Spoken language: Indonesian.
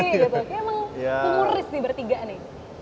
kayaknya memang kuris nih bertiga nih